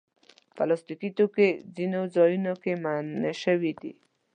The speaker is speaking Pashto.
پلاستيکي توکي ځینو ځایونو کې منع شوي دي.